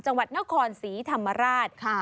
จังหวัดนครศรีธรรมราช